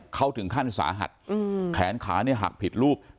เพื่อนสาหัฐแขนขาหักผิดรูปคือ